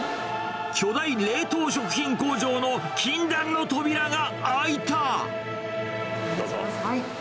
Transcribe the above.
巨大冷凍食品工場の禁断の扉どうぞ。